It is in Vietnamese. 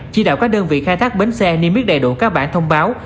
chỉ đạo các đơn vị khai thác bến xe niêm yết đầy đủ các bản thông báo